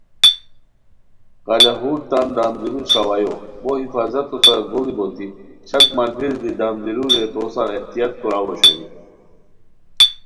قلاہور تان دم دیرو ݰاوایو بو حٖفاظتو سورا گوڑی بوتی شک ملگیری دی دم دیرو رے تو سار احتیاط کوراؤ اوشونی